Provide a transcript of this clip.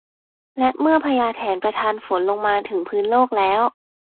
และเมื่อพญาแถนประทานฝนลงมาถึงพื้นโลกแล้ว